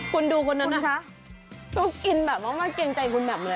คุณดูคนนั้นอ่ะต้องกินแบบว่ามันเกร็งใจคุณแบบนี้